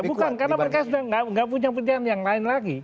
iya bukan karena mereka sudah gak punya kebijakan yang lain lagi